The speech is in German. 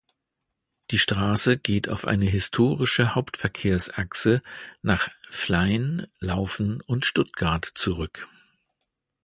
Die Straße geht auf eine historische Hauptverkehrsachse nach Flein, Lauffen und Stuttgart zurück.